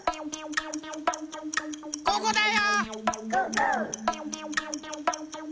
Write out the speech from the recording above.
ここだよ！